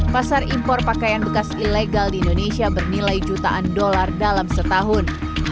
pasar impor pakaian bekas ilegal di indonesia bernilai jutaan dolar dalam setahun